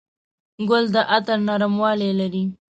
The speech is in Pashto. ګل د عطر نرموالی لري.